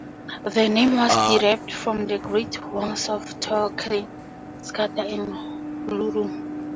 The name was derived from the "Great Worms" of Tolkien: Scatha and Glaurung.